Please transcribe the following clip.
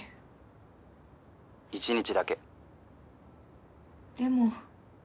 「一日だけ」でも。